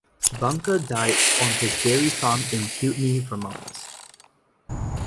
Bunker died on his dairy farm in Putney, Vermont.